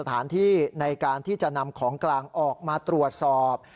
ที่จะนำของกลางออกมาตรวจสอบ